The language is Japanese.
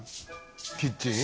「キッチン？」